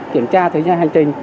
kiểm tra thời gian hành trình